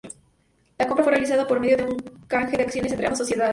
La compra fue realizada por medio de un canje de acciones entre ambas sociedades.